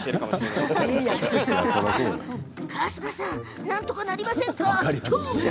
春日さんなんとかなりませんかね？